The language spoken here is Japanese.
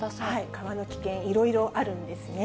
川の危険、いろいろあるんですね。